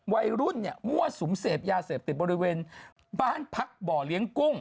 วัยรุ่นเนี่ยมั่วสุมเสพยาเสพติดบริเวณบ้านพักบ่อเลี้ยงกุ้ง